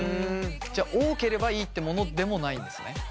じゃあ多ければいいってものでもないんですね？